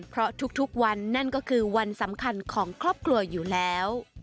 เพราะทุกวันนั่นก็คือวันสำคัญของครอบครัวอยู่แล้ว